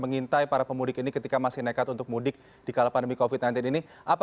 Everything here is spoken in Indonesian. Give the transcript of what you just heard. mengintai para pemudik ini ketika masih nekat untuk mudik di kalapan demi kofit nanti ini apa